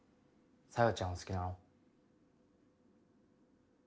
小夜ちゃんを好きなの？